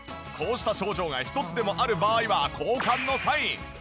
こうした症状が１つでもある場合は交換のサイン。